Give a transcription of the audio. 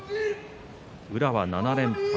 宇良は７連敗。